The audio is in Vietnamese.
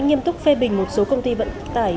nghiêm túc phê bình một số công ty vận tải